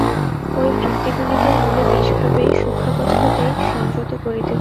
ঐ বৃত্তিগুলিকে মূলে বীজভাবেই সূক্ষ্মাবস্থাতেই সংযত করিতে হইবে।